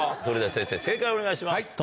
それでは先生正解をお願いします。